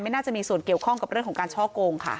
น่าจะมีส่วนเกี่ยวข้องกับเรื่องของการช่อโกงค่ะ